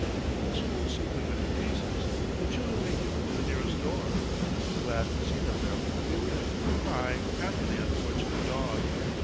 For the school simply went to pieces, the children making for the nearest door. The last seen of them, they were in full cry after the unfortunate dog.